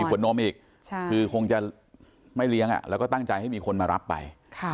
ขวดนมอีกคือคงจะไม่เลี้ยงแล้วก็ตั้งใจให้มีคนมารับไป